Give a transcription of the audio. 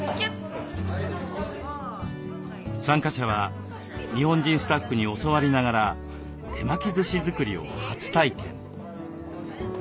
参加者は日本人スタッフに教わりながら手巻きずし作りを初体験。